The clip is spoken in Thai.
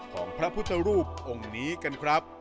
ของพระพุทธรูปองค์นี้กันครับ